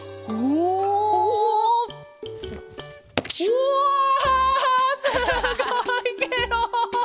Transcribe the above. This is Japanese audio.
うわすごいケロ！